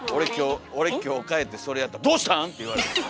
俺今日帰ってそれやったら「どうしたん⁉」って言われる。